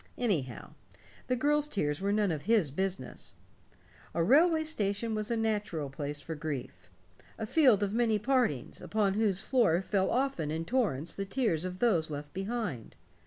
Anyhow, the girl's tears were none of his business. A railway station was a natural place for grief a field of many partings, upon whose floor fell often in torrents the tears of those left behind.